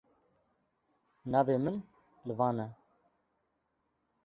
Navê min Ivan e.